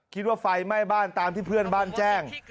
คิดว่าไฟไหม้บ้านตามที่เพื่อนบ้านแจ้ง